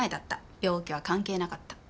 病気は関係なかった。